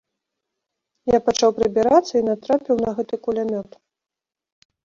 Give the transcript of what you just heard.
Я пачаў прыбірацца і натрапіў на гэты кулямёт.